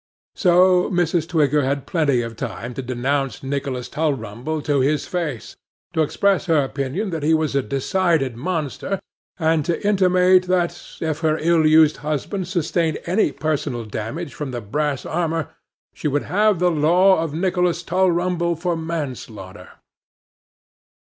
So, Mrs. Twigger had plenty of time to denounce Nicholas Tulrumble to his face: to express her opinion that he was a decided monster; and to intimate that, if her ill used husband sustained any personal damage from the brass armour, she would have the law of Nicholas Tulrumble for manslaughter.